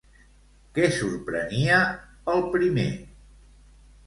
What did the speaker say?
Què sorprenia el primer?